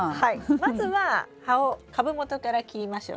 まずは葉を株元から切りましょう。